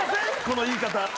この言い方。